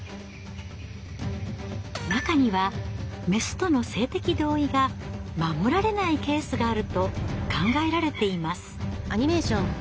中にはメスとの性的同意が守られないケースがあると考えられています。